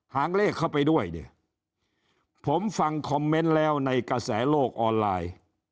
หางเลขเข้าไปด้วยเนี่ยผมฟังคอมเมนต์แล้วในกระแสโลกออนไลน์